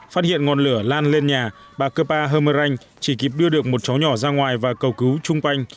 phát hiện ngọn lửa lan lên nhà bà kepa hemerang chỉ kịp đưa được một cháu nhỏ ra ngoài và cầu cứu chung quanh